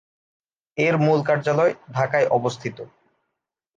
এর মূল কার্যালয় ঢাকায় অবস্থিত।